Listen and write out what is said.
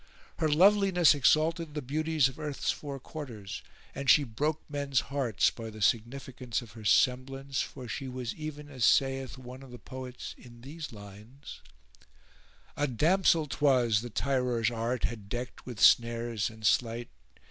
Her loveliness exalted the beauties of earth's four quarters and she broke men's hearts by the significance of her semblance; for she was even as saith one of the poets in these lines:— A damsel 'twas the tirer's art had decked with snares and sleight.